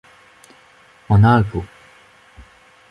An Alpoù.